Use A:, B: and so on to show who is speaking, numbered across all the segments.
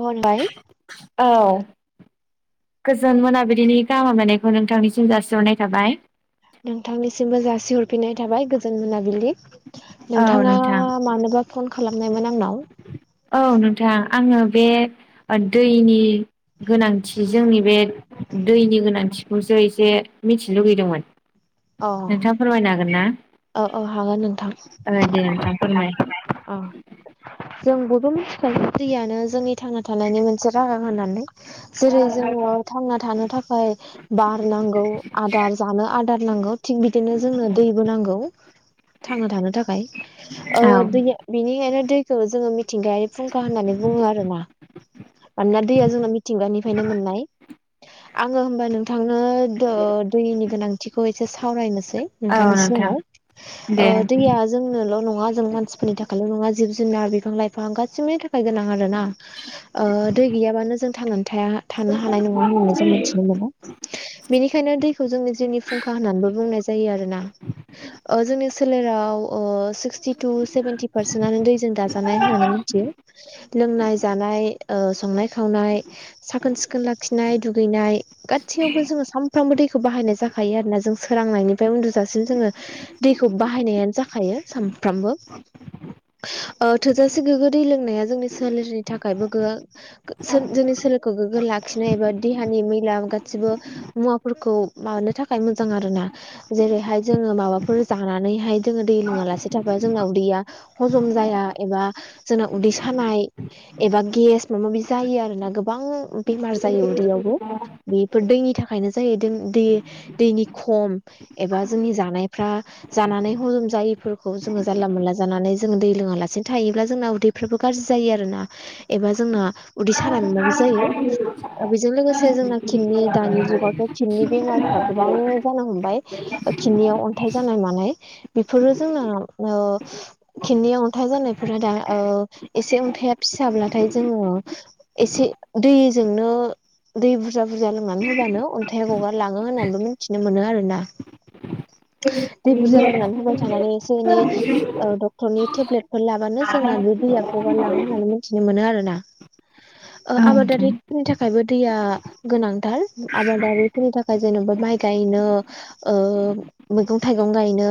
A: औ होनबाय।
B: औ। गोजोन मोनाबिलिनि गाहाम हामलायनायखौ नोंथांनिसिम जासिहरनाय थाबाय।
A: नोंथांनिसिमबो जासिहरफिननाय थाबाय गोजोन मोनाबिलि
B: औ
A: नोंथाङा
B: नोंथां
A: मानोबा फन खालामनायमोन आंनाव
B: औ नोंथां आङो बे दैनि गोनांथि जोंनि बे दैनि गोनांथिखौसो एसे मिथिनो लुबैदोंमोन।
A: अ
B: नोंथाङा फोरमायनो हागोन ना।
A: औ औ हागोन नोंथां
B: ओ दे नोंथां फोरमाय
A: औ जों बयबो मिथिखायो दैयानो जोंनि थांना थानायनि मोनसे राहा होननानै। जेरै जोङो थांना थानो थाखाय बार नांगौ आदार जानो आदार नांगौ थिग बिदिनो जोंनो दैबो नांगौ। थांना थानो थाखाय ओ [unintelligible]
B: औ
A: बिनिखायनो दैखौ जोङो मिथिंगायारि फुंखा होननानै बुङो आरो ना। मानोना दैया जोंना मिथिंगानिफ्रायनो मोननाय आङो होमबा नोंथांनो ओ दैनि गोनांथिखौ एसे सावरायनोसै।
B: औ
A: नोंथांनि
B: नोंथां
A: सिगाङाव ओ
B: दे
A: दैया जोंनोल' नङा जों मानसिफोरनि थाखायल' नङा जिब जुनार बिफां लाइफां गासैबोनि थाखाय गोनां आरो ना। ओ दै गैयाबानो जों थांनानै थाया थानो हानाय नङा होननानै जों मिथिनो [unintelligible] बेनिखायनो दैखौ जोंनि जिउनि फुंखा होननानैबो बुंनाय जायो आरोना। ओ जोंनि सोलेराव ओ [unintelligible] जितु सेभेन्टि पारसेन्टनो दैजों दाजानाय होननानै मिथियो लोंनाय जानाय ओ संनाय खावनाय साखोन सिखोन लाखिनाय दुगैनाय गासियावबो जोङो साम साफ्रोमबो दैखौ बाहायनाय जाखायो आरोना जों सोरांनायनिफ्राय उन्दुजासिम जोङो दैखौ बाहायनायानो जाखायो सानफ्रामबो। ओ थोजासे गोग्गो दै लोंनाया जोंनि सोलेरनि थाखायबो गो जो-जोंनि सोलेरखौ गोग्गो लाखिनाय एबा देहानि मैला गासिबो मुवाफोरखौ माबानो थाखाय मोजां आरो ना। जेरैहाय जोङो माबाफोर जानानैहाय जोङो दै लोङा लासे थाबा जोंना उदैैया हजम जाया एबा जोंना उदै सानाय एबा गेस। माबाबि जायो आरो ना गोबां बेमार जायो उदैयावबो। बेफोर दैनि थाखायनो जाहैदों दै-दैनि खम एबा जोंनि जानायफ्रा जानानै हजम जायैफोरखौ जोङो जानला मोनला जानानै जोङो दै लोङालासिनो थायोब्ला जोंना उदै फोरबो गाज्रि जायो आरोना एबा जोंना उदै साना मादि
B: औ
A: जायो ओ बेजों लोगोसे जोंना किडनि दानि
B: नोंथां
A: जुगावथ' किडनि बेमारफ्रा गोबां जानो हमबाय। किदनियाव अन्थाइ जानाय मानाय बेफोरो जोंना ओ किदनियाव अन्थाइ जानायफोरा दा ओ एसे अन्थाइआ फिसाब्लाथाय जोङो एसे दैजोंनो दै बुरजा बुरजा लोंनानै होबानो अन्थाइ गगार लाङो होननानैबो मिथिनो मोनो आरोना।
B: [inaudible]
A: थानानानै एसे एनै ओ दक क्टरनि टेब्लेटफोर लाबानो जोंना बे दैया गगार लाङो होननानै मिथिनो मोनो आरोना। ओ आबादारिफोरनि थाखायबो दैया गोनांथार आबादारिफोरनि थाखाय जेनेबा माइ गायनो ओ मैगं थाइगं गायनो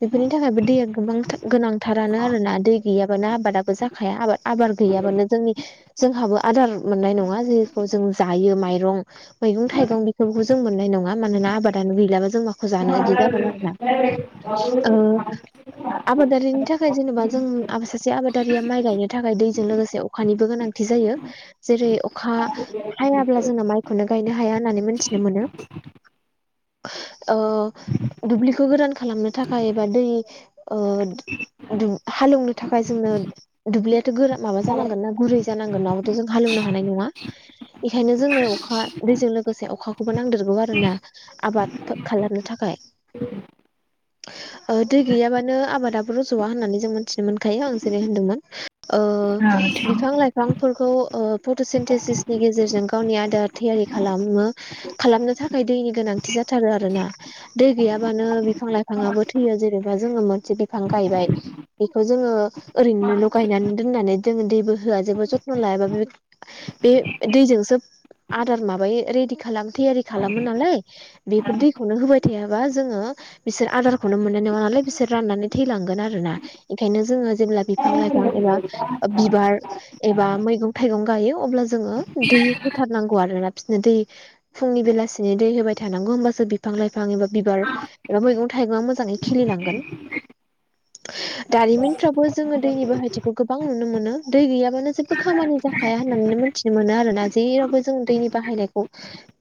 A: बेफोरनि थाखायबो दैया गोबां गोनांथारानो आरोना दै गैयाबानो आबादाबो जा खाया आबाद आबाद गैयाबानो जोंनि जोंहाबो आदार मोननाय नङा जेखौ जों जायो माइरं मैगं थाइगं बेफोरखौ जों मोननाय नङा मानोना आबादानो गैलाबा जोंनाव जानो बिदि जागोन आरोना आबादारिनि थाखाय जेनेबा जों सासे आबादारिया माइ गायनो थाखाय दैजों लोगोसे अखानिबो गोनांथि जायो जेरै अखा हायाब्ला जोङो माइखौनो गायनो हाया होननानै मोनथिनो मोनो ओ दुब्लिखौ गोरान खालामनो थाखाय एबा दै ओ दु हालेवनो थाखाय जोंनो दुब्लियाथ' गोरा माबा जानां मानना गुरै जानांगोन नङाबाथ' जों हालेवनो हानाय नङा बेखायनो जोंनो अखा दैजों लोगोसे अखाखौबो नांदेरगौ आरोना आबाद फो खालामनो थाखाय। दै गैयाबानो आबादाबो रज'आ होननानै जों मिथिनो मोनखायो आं जेरै होनदोंमोन ओ
B: औ नोंथां।
A: बिफां लाइफांफोरखौ फट'सेन्टेसिसनि गेजेरजों गावनि आदार थियारि खालामो खालामनो थाखाय दैनि गोनांथि जाथारो आरोना दै गैयाबानो बिफां लाइफाङाबो थैयो जेनेबा जोङो मोनसे बिफां गायबाय बेखौ जोङो ओरैनोल गायनानै दोननानै जोङो दैबो होआ जेबो जथ्न' लायाबा बे बे दैजोंसो आदार माबायो रेडि खालाम थैयारि खालामो नालाय बेफोर दैखौनो होबाय थायाबा जोङो बिसोर आदारखौनो मोननाय नङा नालाय बिसोर राननानै थैलांगोन आरोना ओंखायनो जोङो जेब्ला बि
B: औ
A: बिफां लाइफां एबा बिबार एबा मैगं थाइगं गायो अब्ला जोङो दै होथारनांगौ आरोना बिसोरनो दै फुंनि बेलासिनो दै होबाय थानांगौ होमबासो बिफां लाइफां एबा बिबार ओ मैगं थाइगङा मोजाङै खिलिलांगोन दारिमिनफ्रावबो जोङो दैनि बाहायथिखौ गोबां नुनो मोनो दै गैयाबानो जेबो खामानि जाखाया होननानै मिथिनो मोनो आरोना जेरावबो जों दैनि बाहायनायखौ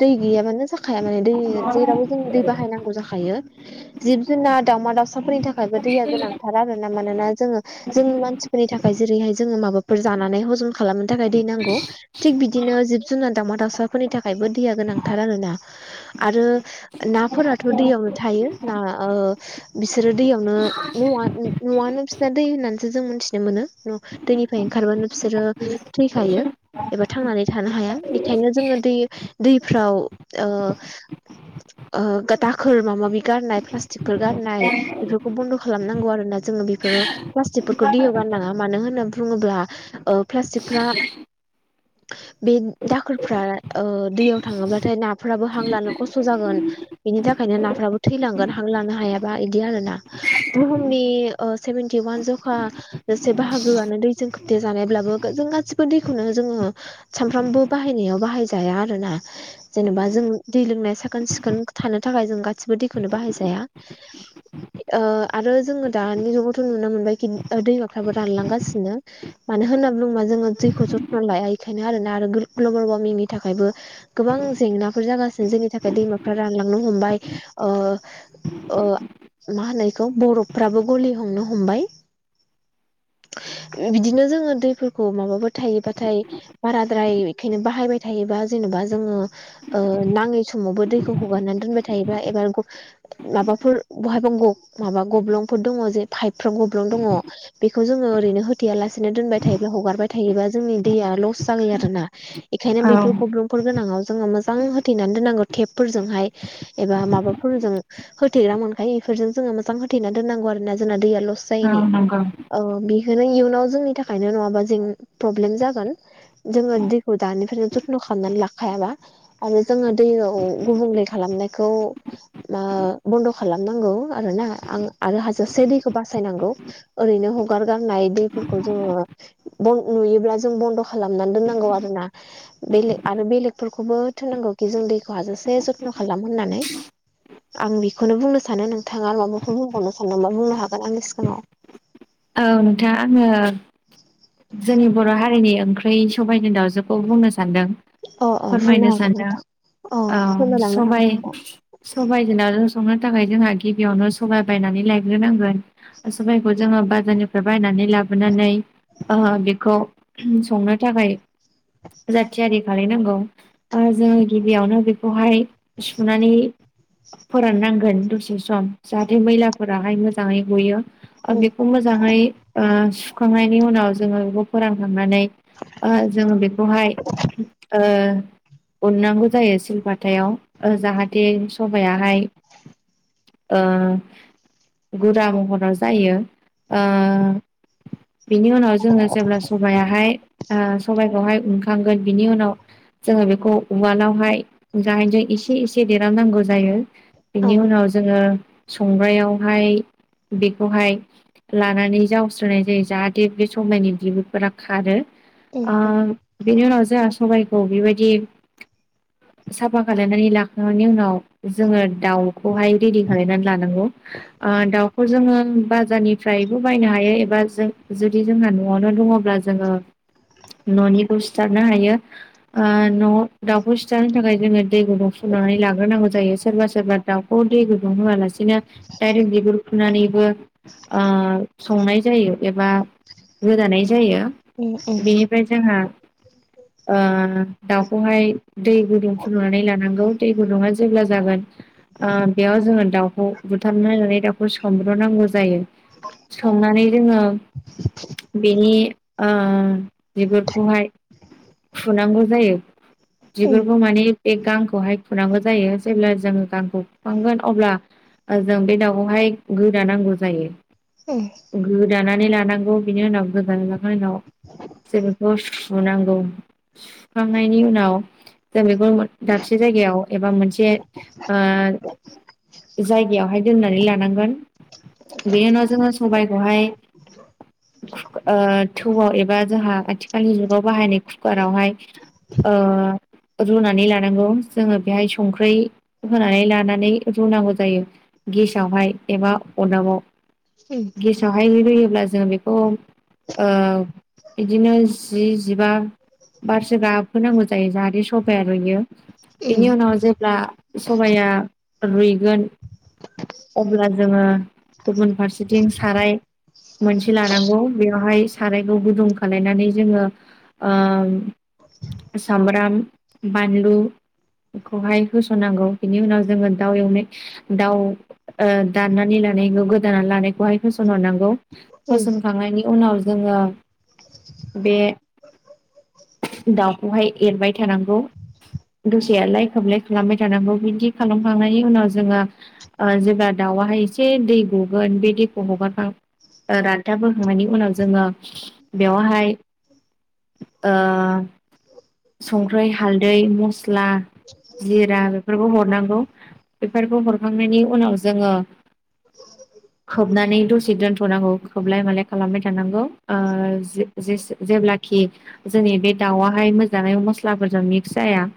A: दै गैयाबानो जाखाया माने दै जेरावबो जों दै बाहायनांगौ जाखायो जिब जुनार दाउमा दाउसाफोरनि थाखायबो दैया गोनांथार आरोना मानोना जोङो जोंनि मानसिफोरनि थाखाय जेरैहाय जोङो माबाफोर जानानै हजम खालामनो थाखाय दै नांगौ थिग बिदिनो जिब जुनार दावमा दाउसाफोरनि थाखायबो दैया गोनांथार आरोना आरो नाफोराथ' दैयावनो थायो ना ओ बिसोरो दैयावनो न'आ न'आनो बिसिना दै होननानैसो जों मोनथिनो मोनो न' दैनि फाय ओंखारबानो बिसोरो थैखायो। एबा थांनानै थानो हाया बेखायनो जोङो दै दैफ्राव ओ ओ दाखोर माबा माबि गारनाय फ्लास्टिकफोर गारनाय बेफो खौ बन्द' खालामनांगौ आरोना जोङो बेफोरो प्लास्टिकफोरखौ दैयाव गारनाङा मानो होनोब बुङोब्ला ओ फ्लास्टिकफ्रा बे दाखोरफ्रा ओ दैयाव थाङोब्लाथाय नाफोराबो हां लानो खस्थ' जागोन। बिनि थाखायनो नाफ्राबो थैलांगोन हां लानो हायाबा इदि आरोना। बुहुमनि ओ सेभेनटि वान जौखा से बाहागोआनो दै जों खोबथे जानायब्लाबो जों गासिबो दैखौनो जोङो सामफ्रामबो बाहायनायाव बाहायजाया आरोना। जेनेबा जों दै लोंनाय साखोन सिखोन थानो थाखाय जों गासिबो दैखौनो बाहायजाया। ओ आरो जोङो दानि जुगावथ' नुनो मोनबायखि ओ दैमाफ्राबो रानलांगासिनो। मानो होनना ब्लुंबा जोङो दैखौ जथ्न' लाया इखायनो आरोना आरो गोर ग्लोबोल वार्मिंनि थाखायबो गोबां जेंनाफोर जागासिनो जोंनि थाखाय दैमाफ्रा रानलांनो हमबाय ओ ओ मा होनो इखौ बरफफ्राबो गलि हमनो हमबाय। [inaudible] बिदिनो जोङो दैफोरखौ माबाफोर थायोबाथाय बाराद्राय बेखायनो बाहायबाय थायोबा जेन'बा जोङो ओ नाङै समावबो दैखौ हगारनानै दोनबाय थायोबा एबार ग माबाफोर बहायबा ग माबा गब्लंफोर दङ जे फाइपफ्राव गब्लं दङ बेखौ जोङो ओरैनो हो थेया लासेनो दोनबाय थायोब्ला हगारबाय थायोबा जोंनि दैया लस जायै आरोना एखायनो बेफोर गब्लं फोर गोनाङाव जोङो मोजां होथेनानै दोननांगौ थेपफोरजोंहाय एबा माबाफोरजों होथेग्रा मोनखायो इफोरजों जोङो मोजां होथेना दोननांगौ आरोना जोंना दैया लस जायिनि
B: औ नंगौ
A: ओ बिखोनो इयुनाव जोंनि थाखायनो नङाबा जें प्रब्लेम जागोन। जोङो दैखौ दानिफ्रायनो जथ्न' खामनानै लाखायाबा आरो जोङो दैयाव गुबुंले खालामनायखौ ओ बन्द' खालामनांगौ आरोना आं आरो हाजोसे दैखौ बासायनांगौ। ओरैनो हगारगारनाय दैफोर खौ जोङो बय नुयोब्ला जों बन्द' खालामनानै दोननांगौ आरोना। बेले आरो बेलेगफोरखौबो थोन्नांगौखि जों दैखौ हाजासे जथ्न' खालाम होननानै आं बिखोनो बुंनो सानो नोंथाङा माबाफोर बुंबावनो सानदोंबा बुंबावनो हागोन आंनि सिगाङाव।
B: औ नोंथां आङो जोंनि बर' हारिनि ओंख ओमफाय सबाइजों दाउजोखौ बुंनो सानदों।
A: अ अ बुंनो
B: फोरमायनो
A: हागोन
B: सानदों
A: नोंथां अ
B: ओं
A: फोरमायलांनो हागोन
B: सबाइ
A: नोंथां
B: सबाइजों नाजों संनो थाखाय जोंहा गिबियावनो सबाइ बायनानै लायग्रोनांगोन सबाइखौ जोङो बाजारनिफ्राय बायनानै लाबोनानै ओ बेखौ संनो थाखाय जा थियारि खालायनांगौ ओ जोङो गिबियावनो बेखौहाय सुनानै फोराननांगोन दसे सम जाहाथे मैलाफोराहाय मोजाङै गयो। ओ
A: उम
B: बेखौ मोजाङै ओ सुखांनायनि उनाव जोङो बेखौ फोरानखांनानै ओ जोङो बेखौहाय उननांगौ जायो सिलपाथायाव। ओ जाहाथे सबायाहाय ओ गुरा महराव जायो। ओ बिनि उनाव जोङो जेब्ला सबायाहाय ओ सबाइखौहाय उनखांगोन बिनि उनाव जोङो बेखौ उवालावहाय गाहेनजो इसे इसे देरहामनांगौ जायो।
A: औ
B: बेनि उनाव जोङो संग्रायावहाय बेखौहाय लानानै जावस्रोनाय जायो जाहाथे बे समनायनि बिबुफोरा खारो
A: उम
B: ओ
A: उम
B: बेनि उनाव जोंहा सबायखौ बेबायदि साफा खालायनानै लाखांनायनि उनाव जोङो दाउखौहाय रेडि खालामनानै लानांगौ ओ दाउखौ जोङो बाजारनि फ्रायबो बायनो हायो एबा जों जुदि जोंहा न'आवनो दङब्ला जोङो न'निखौ सिथारनो हायो ओ न' दाउखौ सिथारनो थाखाय जोङो दै गुदुं फुदुंनानै लाग्रोनांगौ जायो सोरबा सोरबा दाउखौ दै गुदुं होआलासे बिदिनो डाइरेक बिगुर फुनानैबो संनाय जायो एबा गोदानाय जायो।
A: औ
B: ओमफ्राय जोंहा दाउखौहाय दै गुदुं फुुदुंनानै लानांगौ दै गुदुङा जेब्ला जागोन बेयाव जोङो दाउखौ बुथारनो होनानै दाउखौ सोमब्र'नांगौ जायो संनानै जोङो बेनि बिगुरखौहाय फुनांगौ जायो
A: उम
B: बिगुरखौ माने बे गांखौहाय खुनांगौ जायो जेब्ला जोङो गांखौ खुखांगोन अब्ला जों बे दाउखौहाय गोदानांगौ जायो। गोदानानै लानांगौ बिनि उनाव गोदा लाखांनायनि उनाव जे बेखौ सुनांगौ सुखांनायनि उनाव जों बेखौ दाबसे जायगायाव एबा मोनसे ओ जायगायावहाय दोननानै लानांगोन। बेनि उनाव जोङो सबाइखौहाय थौआव एबा जोंहा आथिखालनि जुगाव बाहायनाय कुकारावहाय रुनानै लानांगौ जोङो बेवहाय संख्रि होनानै लानानै रुनांगौ जायो गेसयावहाय एबा अरदाबाव
A: उम
B: खुखाराव रुयोब्ला जोङो बेखौ ओ बिदिनो जि जिबा बारसो गाब होन्नांगौ जायो जाहाथे सबाया रुयो बेनि
A: उम
B: उनाव जेब्ला सबाया रुयगोन अब्ला जोङो गुबुन फारसेथिं साराय मोनसे लानांगौ बेवहाय सारायखौ गुदुं खालामलायनानै जोङो सामब्राम बानलुखौहाय होस'नांगौ बिनि उनाव जोङो दाउ एवनाय दाउ दाननानै लानायखौ गोदाना लानायखौहाय होसनहरनांगौ होसनखांनायनि उनाव जोङो बे दाउखौहाय एरबाय थानांगौ दसेयालाय खोबलाय खालामबाय थानांगौ बिदि खालामखांनायनि उनाव जोङो जेब्ला दाउआ हाय एसे दै गुगोन बे दैखौ हगारखां रान्थाब होखांनायनि उनाव जोङो बेवहाय संख्रि हालदै मस्ला जिरा बेफोरखौ हरनांगौ बेफोरखौ हरखांनायनि उनाव जोङो खोबनानै दसे दोनथ'नांगौ खोबलाय मालाय खालामबाय थानांगौ जेब्लाखि जोंनि बे दाउआहाय मोजाङै मस्लाफोरजों मिक्स जाया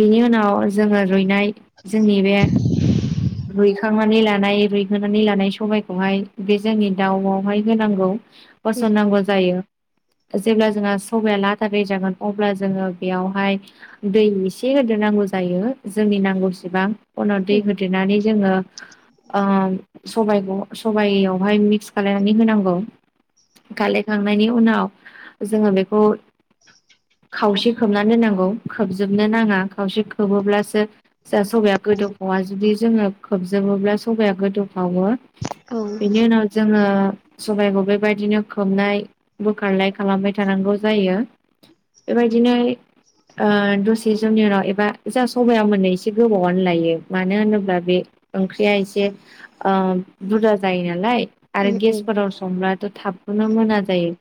B: बेनि उनाव जोङो रुइनाय जोंनि बे रुइखांनानै लानाय रुइहोनानै लानाय सबायखौहाय बे जोंनि दाउआवहाय होनांगौ।
A: उम
B: होसननांगौ जायो। जेब्ला जोंहा सबाया लादा दै जागोन अब्ला जोङो बेयावहाय दै एसे होदो नांगौ जायो जोंनि नांगौ एसेबां उनाव दै होदेरनानै जोङो ओ सबाय सबयावहाय मिक्स खालायनानै होनांगौ गालेयखांनायनि उनाव जोङो बेखौ खावसे खोबनानै नांगौ खोबजोबनो नाङा खावसे खोबोब्लासो जा सबाया गोदौखा जुदि जोङो खोबजोबोब्ला सबाया गोदौफावो
A: औ
B: बेनि उनाव जोङो सबाइखौ बेबायदिनो खोबनाय बोखारलाय खालामबाय थानांगौ जायो बेबायदिनो ओ दसे जुनियनाव एबा जा सबायाव मोननो एसे गोबावनो लायो मानो होनोब्ला बे ओंख्रिया एसे ओ बुरजा जायो नालाय
A: उम
B: आरो
A: उम
B: गेसफोराव संब्ला थाबनो मोना जायो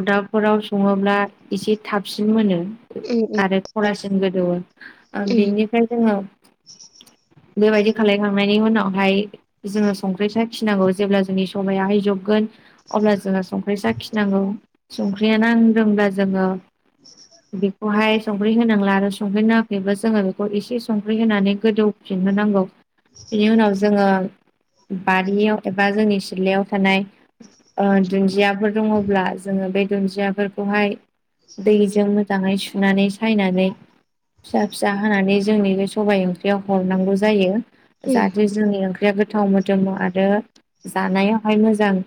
B: अदाबफोराव सङोब्ला एसे थाबसिन मोनो आरो खरासिन गोदौवो ओ
A: उम
B: बेनिफ्राय जोङो बेबायदि खालायखांनाय बेनि उनावहाय जोङो संख्रि साखिनांगौ जेब्ला जोंनि सबायाहाय जबगोन अब्ला जोङो संख्रि साखिनांगौ संख्रिया नांदोंब्ला जोङो बेखौहाय संख्रि होनांला आरो संख्रि नाङाखैबो जोङो बेखौ एसे संख्रि होनानै गोदौ फिननो नांगौ बेनि उनाव जोङो बारियाव एबा जोंनि सिथ्लायाव थानाय ओ दुन्दियाफोर दङब्ला जोङो बे दुन्दियाफोरखौहाय दैजों मोजाङै सुनानै सायनानै फिसा फिसा हानानै जोंनि बे सबाइ ओंख्रियाव हरनांगौ जायो
A: उम
B: जाहाथे जोंनि ओंख्रिया गोथाव मोदोमो आरो जानायावहाय मोजां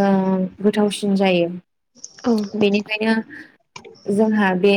B: ओ गोथावसिन जायो
A: औ
B: बेनिखायनो जोंहा बे